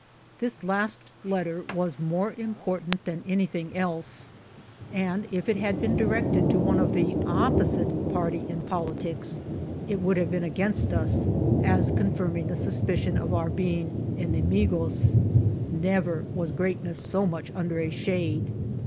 This last letter irm more important than anything else ; and if it had been directed to one of the opposite party in politics, it would have been against us, as <?onfirming the suspicion oi our being ^^ ennemigos.'' Never was greatness so much under a shade.